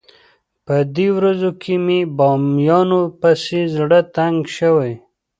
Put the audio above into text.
په دې ورځو کې مې بامیانو پسې زړه تنګ شوی.